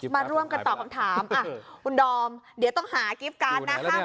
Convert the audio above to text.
มาร่วมกันต่อคำถามอ่ะคุณดอมเดี๋ยวต้องหากิฟต์การ์ดนะค่ะ